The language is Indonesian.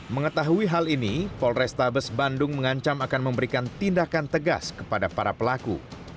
mengetahui hal ini polrestabes bandung mengancam akan memberikan tindakan tegas kepada para pelaku